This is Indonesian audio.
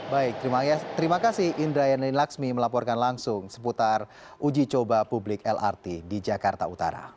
baik terima kasih indra yanlin laksmi melaporkan langsung seputar uji coba publik lrt di jakarta utara